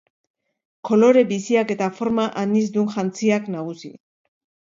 Kolore biziak eta forma anizdun jantziak nagusi.